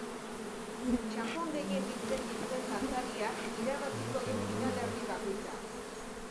Txanpon gehien biltzen dituen kantariak, irabaziko du final erdi bakoitza.